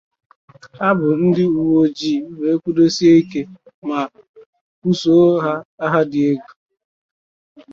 ha bụ ndị uweojii wee kwụdosie ike ma buso ha agha dị égwù.